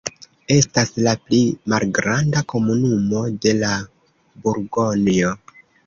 Estas la pli malgranda komunumo de la Burgonjo.